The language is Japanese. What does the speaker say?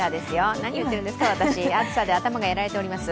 何言っているんです、私暑さで、頭をやられています。